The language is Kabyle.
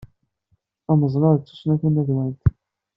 Tameẓla d tussna tamadwant.